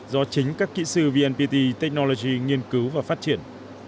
do chính các kỹ sư vnpt technology nghiên cứu và phát triển